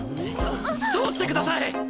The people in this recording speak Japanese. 通してください！